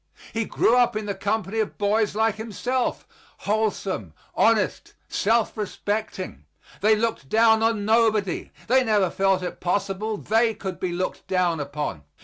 He grew up in the company of boys like himself, wholesome, honest, self respecting. They looked down on nobody; they never felt it possible they could be looked down upon.